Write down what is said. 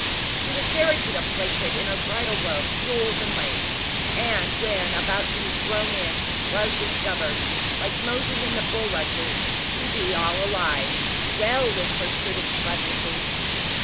"She was carried to the plague pit in her bridal robes, jewels and lace; and, when about to be thrown in, was discovered, like Moses is the bulrushes, to be all alive." "Well," whispered Prudence, breathlessly.